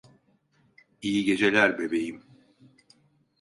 İyi geceler bebeğim.